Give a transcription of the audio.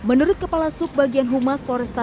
ini ini sama ini sama ada ada